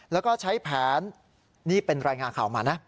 แล้วก็ใช้แผนนี่เป็นรายงานข่าวมานะ